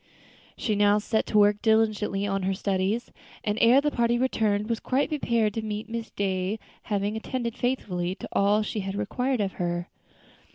She now set to work diligently at her studies, and ere the party returned was quite prepared to meet Miss Day, having attended faithfully to all she had required of her.